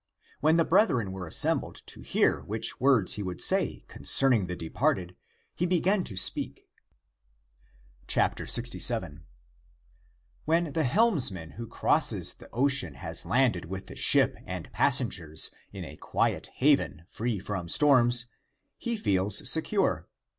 When the brethren were assembled to hear which words he would say concerning the de parted, he began to speak : 67. " When the helmsman who crosses the ocean has landed with the ship and passengers in a quiet haven free from storms, he feels secure.